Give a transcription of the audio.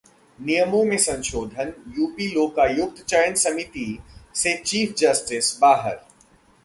नियमों में संशोधन, यूपी लोकायुक्त चयन समीति से चीफ जस्टिस बाहर